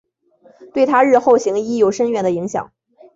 对她日后行医有深远的影响。